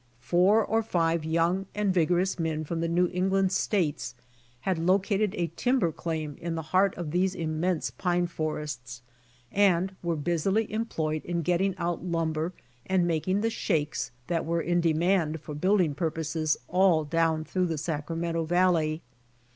Four ori five young and vigorous men from the New England states had located a timber claim in the heart of these immense pine forests, and were busily employed in getting out lumber and making the shakes that were in demand for building pur poses all down through the Sacramento valley.